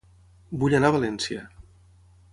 Vull anar a València.